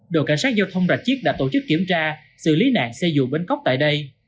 đội cảnh sát giao thông rạch chiếc đã tổ chức kiểm tra xử lý nạn xe dù bến cóc tại đây